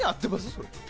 それ。